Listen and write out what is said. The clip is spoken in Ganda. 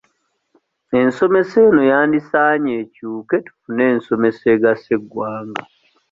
Ensomesa eno yandisaanye ekyuke tufuna ensomesa egasa eggwanga.